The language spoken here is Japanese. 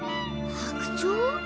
白鳥？